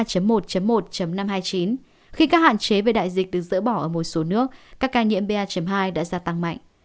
khi các hạn chế về đại dịch được dỡ bỏ ở một số nước các ca nhiễm ba hai đã gia tăng mạnh